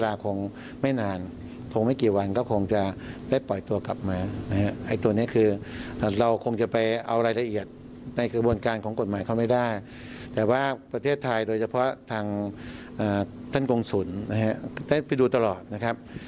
อ่าท่านกงศุลย์นะฮะได้ไปดูตลอดนะครับ